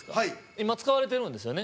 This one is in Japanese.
今、使われてるんですよね？